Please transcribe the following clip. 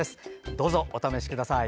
どうぞお試しください。